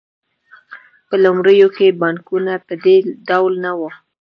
په لومړیو کې بانکونه په دې ډول نه وو